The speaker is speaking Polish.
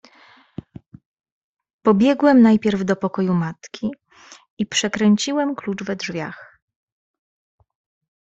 "Pobiegłem najpierw do pokoju matki i przekręciłem klucz we drzwiach."